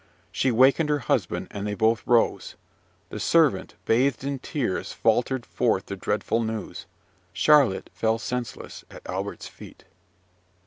She wakened her husband, and they both rose. The servant, bathed in tears faltered forth the dreadful news. Charlotte fell senseless at Albert's feet.